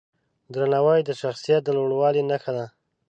درناوی د شخصیت د لوړوالي نښه ده.